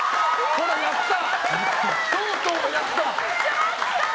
ほら、やった！